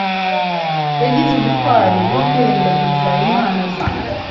Yagize ubutwari bwo kwirengagiza inama zanjye